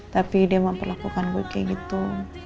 tapi dia mah perlakukan gue kayak gitu